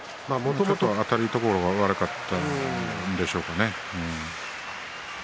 ちょっとあたるところが悪かったんでしょうかね。